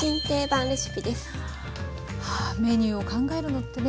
メニューを考えるのってね